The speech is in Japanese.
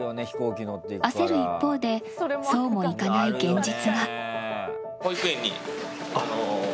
焦る一方でそうもいかない現実が。